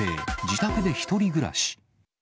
自宅で１人暮らし。